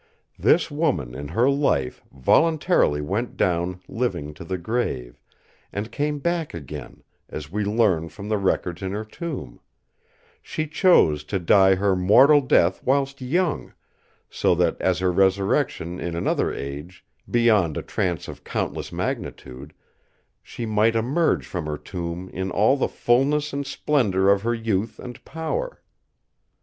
This woman in her life voluntarily went down living to the grave, and came back again, as we learn from the records in her tomb; she chose to die her mortal death whilst young, so that at her resurrection in another age, beyond a trance of countless magnitude, she might emerge from her tomb in all the fulness and splendour of her youth and power.